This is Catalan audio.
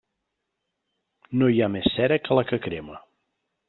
No hi ha més cera que la que crema.